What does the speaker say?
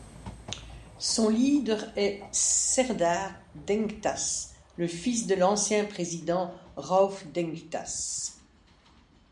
Son leader est Serdar Denktaş le fils de l'ancien président Rauf Denktaş.